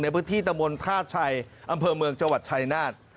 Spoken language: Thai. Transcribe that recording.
พื้นที่ตะมนต์ท่าชัยอำเภอเมืองจังหวัดชายนาฏ